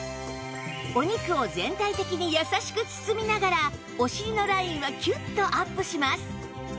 お肉を全体的に優しく包みながらお尻のラインはキュッとアップします